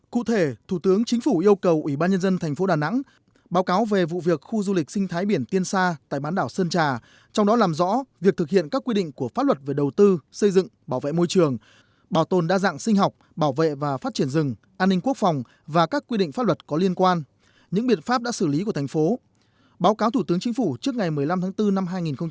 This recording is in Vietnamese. cụ thể thủ tướng chính phủ yêu cầu ủy ban nhân dân thành phố đà nẵng báo cáo về vụ việc khu du lịch sinh thái biển tiên sa tại bán đảo sơn trà trong đó làm rõ việc thực hiện các quy định của pháp luật về đầu tư xây dựng bảo vệ môi trường bảo tồn đa dạng sinh học bảo vệ và phát triển rừng an ninh quốc phòng và các quy định pháp luật có liên quan những biện pháp đã xử lý của thành phố báo cáo thủ tướng chính phủ trước ngày một mươi năm tháng bốn năm hai nghìn một mươi bảy